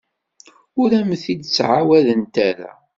Ur am-t-id-ttɛawadent ara.